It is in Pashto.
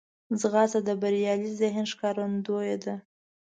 ځغاسته د بریالي ذهن ښکارندوی ده